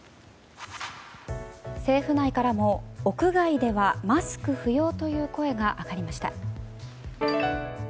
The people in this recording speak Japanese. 政府内からも屋外ではマスク不要という声が上がりました。